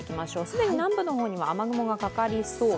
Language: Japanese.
既に南部の方には雨雲がかかりそう。